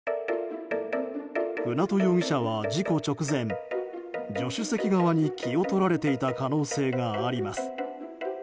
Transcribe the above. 舟渡容疑者は事故直前助手席側に気を取られていた可能性があります。